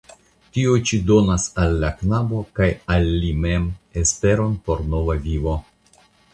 Tio ĉi donas al la knabo (kaj al li mem) esperon por nova vivo.